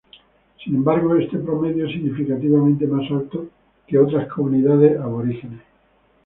Sin embargo, este promedio es significativamente más alto que otras comunidades aborígenes.